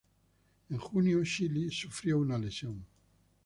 En junio, Shelley sufrió una lesión.